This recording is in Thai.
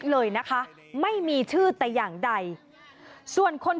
ทีนี้จากรายทื่อของคณะรัฐมนตรี